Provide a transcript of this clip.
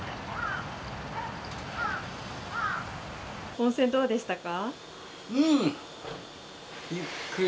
温泉どうでしたか？